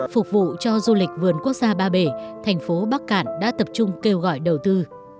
phục vụ cho du lịch vườn quốc gia ba bể thành phố bắc cạn đã tập trung kêu gọi đầu tư